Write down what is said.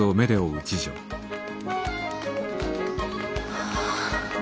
はあ。